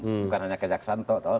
bukan hanya kejaksan tau